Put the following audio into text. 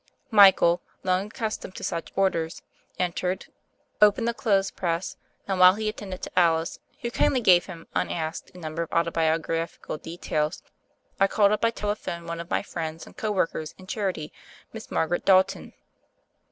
Michael, long accustomed to such orders, en tered, opened the clothes press, and while he at tended to Alice, who kindly gave him unasked a number of autobiographical details, I called up by telephone one of my friends and co workers in chanty. Miss Margaret Dalton.